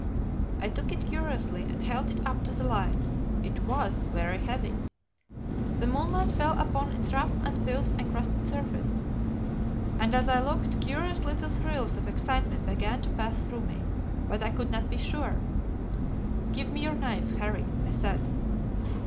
I took it curiously and held it up to the light. It was very heavy. The moonlight fell upon its rough and filth encrusted surface, and as I looked, curious little thrills of excitement began to pass through me. But I could not be sure. "'Give me your knife, Harry,' I said.